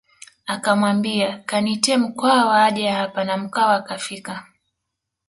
Akamwambia kaniitie Mkwawa aje hapa na Mkwawa akafika